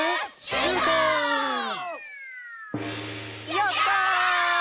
「やったー！！」